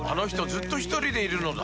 ずっとひとりでいるのだ